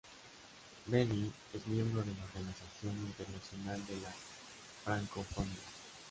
Benín es miembro de la Organización Internacional de la Francofonía.